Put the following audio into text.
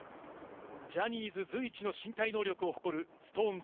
ジャニーズ随一の身体能力を誇る、ＳｉｘＴＯＮＥＳ